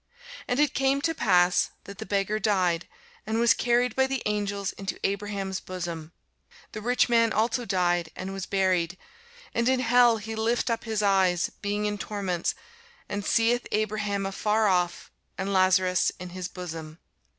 And it came to pass, that the beggar died, and was carried by the angels into Abraham's bosom: the rich man also died, and was buried; and in hell he lift up his eyes, being in torments, and seeth Abraham afar off, and Lazarus in his bosom.